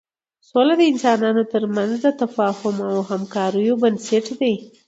سوله د انسانانو تر منځ د تفاهم او همکاریو بنسټ دی.